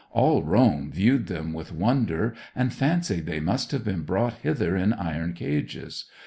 All Rome viewed them with wonder, and fancied they must have been brought hither in iron cages.